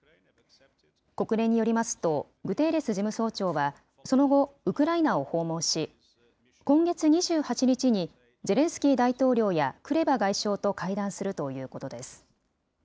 国連によりますと、グテーレス事務総長はその後、ウクライナを訪問し、今月２８日にゼレンスキー大統領やクレバ外相と会談するということです。